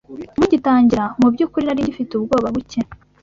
Mugitangira, mubyukuri nari ngifite ubwoba buke.